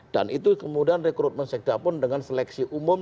dan itu kemudian rekrutmen sekda pun dengan seleksi umum